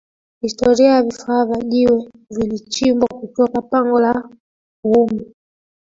Historia ya vifaa vya jiwe vilichimbwa kutoka Pango la Uumbi